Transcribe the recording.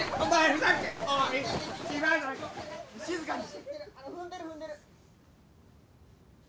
・踏んでる踏んでる！